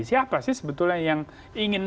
siapa sih sebetulnya yang ingin